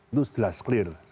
itu sudah clear